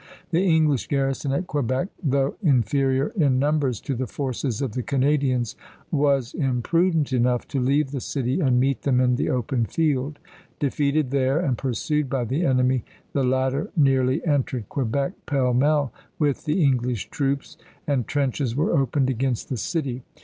The English garrison at Quebec, though inferior in numbers to the forces of the Canadians, was imprudent enough to leave the city and meet them in the open field. Defeated there, and pursued by the enemy, the latter nearly entered Quebec pell mell with the English troops, and trenches were opened against the city.